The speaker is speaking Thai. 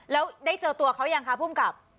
แล้วได้เจอตัวเขายังคะภูมิกับ